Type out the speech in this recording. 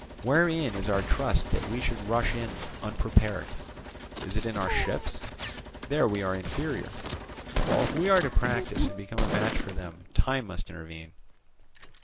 wherein is our trust that we should rush on it unprepared? Is it in our ships? There we are inferior; while if we are to practise and become a match for them, time must intervene.